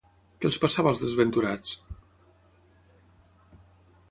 Què els passava als desventurats?